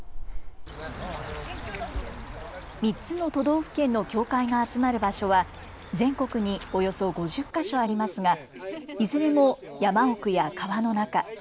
３つの都道府県の境界が集まる場所は全国におよそ５０か所ありますがいずれも山奥や川の中。